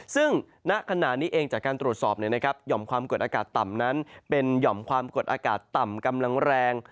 ซึ่งณขณะนี้เองจากการตรวจสอบหย่อมความกดอากาศต่ำนั้นเป็นหย่อมความกดอากาศต่ำกำลังแรง